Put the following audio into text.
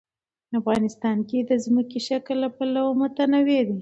افغانستان د ځمکنی شکل له پلوه متنوع دی.